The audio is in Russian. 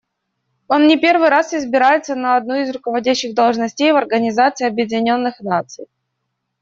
Он не первый раз избирается на одну из руководящих должностей в Организации Объединенных Наций.